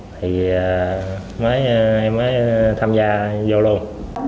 thì em mới tham gia vô luôn